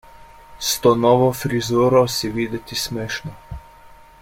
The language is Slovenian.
S to novo frizuro si videti smešna.